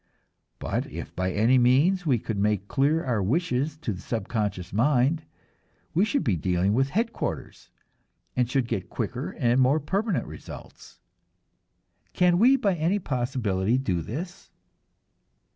But if by any means we could make clear our wishes to the subconscious mind, we should be dealing with headquarters, and should get quicker and more permanent results. Can we by any possibility do this?